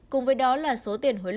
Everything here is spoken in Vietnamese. cùng với đó là số tiền hỗn hợp